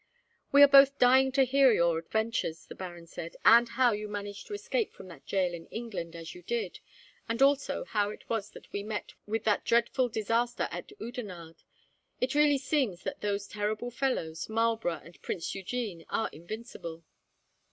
"We are both dying to hear your adventures," the baron said, "and how you managed to escape from that jail in England, as you did, and also how it was that we met with that dreadful disaster at Oudenarde. It really seems that those terrible fellows, Marlborough and Prince Eugene, are invincible."